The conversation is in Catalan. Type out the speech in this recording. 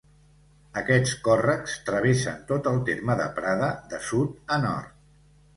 Aquests còrrecs travessen tot el terme de Prada de sud a nord.